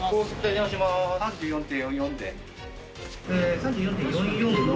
３４．４４で。